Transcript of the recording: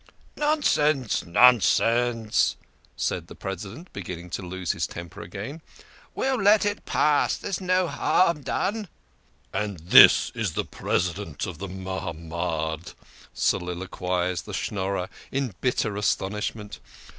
" Nonsense ! Nonsense !" said the President, begin ning to lose his temper again. " We'll let it pass. There's no harm done." THE KING OF SCHNORRERS. 139 "And this is the President of the Mahamad !" soliloquised the Schnorrer in bitter astonishment.